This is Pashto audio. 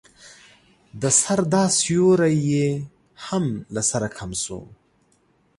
د سر دا سيوری يې هم له سره کم شو.